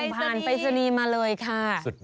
ผ่านปริศนีย์มาเลยค่ะ